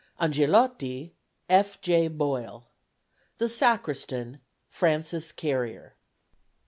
Angelotti F. J. BOYLE. The Sacristan FRANCIS CARRIER.